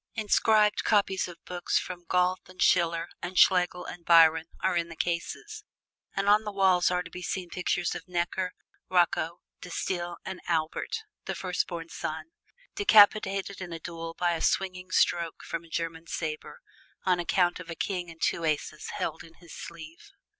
Inscribed copies of books from Goethe and Schiller and Schlegel and Byron are in the cases, and on the walls are to be seen pictures of Necker, Rocco, De Stael and Albert, the firstborn son, decapitated in a duel by a swinging stroke from a German saber, on account of a king and two aces held in his sleeve.